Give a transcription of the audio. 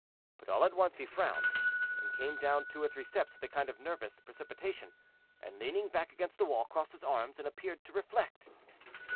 But all at once he frowned, and came down two or three steps with a kind of nervous precipitation, and leaning back against the wall, crossed his arms and appeared to reflect.